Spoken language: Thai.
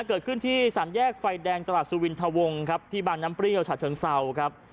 เกิดขึ้นที่สามแยกไฟแดงตลาดสุวินทะวงครับที่บางน้ำเปรี้ยวฉะเชิงเศร้าครับ